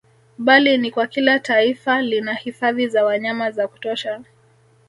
Bali ni kwa kila taifa lina hifadhi za wanyama za kutosha